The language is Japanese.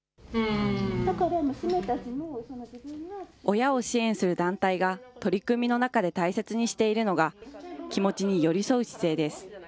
親を支援する団体が取り組みの中で大切にしているのが、気持ちに寄り添う姿勢です。